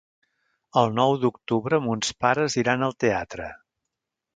El nou d'octubre mons pares iran al teatre.